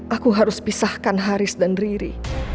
aku harus pisahkan haris dan riri